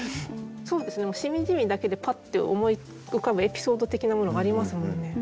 そうですね「しみじみ」だけでパッて思い浮かぶエピソード的なものがありますもんね。